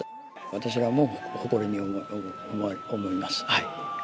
私らも誇りに思います。